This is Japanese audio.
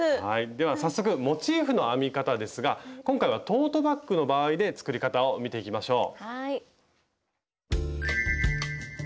では早速モチーフの編み方ですが今回はトートバッグの場合で作り方を見ていきましょう。